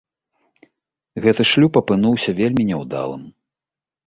Гэты шлюб апынуўся вельмі няўдалым.